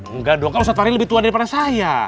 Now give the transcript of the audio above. engga dong kau satu hari lebih tua daripada saya